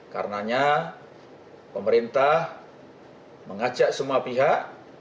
karenanya pemerintah mengajak semua pihak